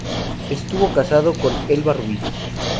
Estuvo casado con Elba Rubí.